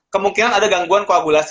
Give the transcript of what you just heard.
kemungkinan ada gangguan koagulasi